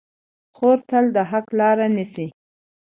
خور تل د حق لاره نیسي.